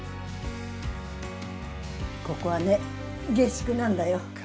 ここはね下宿なんだよ。